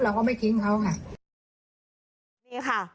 แล้วเราก็ไม่ทิ้งเขาค่ะ